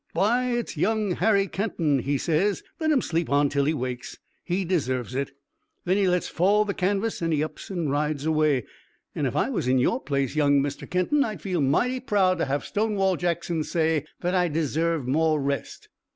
'Why, it's young Harry Kenton!' he says. 'Let him sleep on till he wakes. He deserves it!' Then he lets fall the canvas an' he ups an' rides away. An' if I was in your place, young Mr. Kenton, I'd feel mighty proud to have Stonewall Jackson say that I deserved more rest."